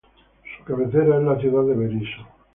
Su cabecera es la ciudad de Berisso.